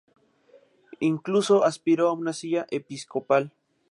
Incluso aspiró a una silla episcopal.